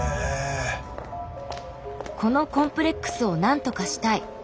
このコンプレックスを何とかしたい。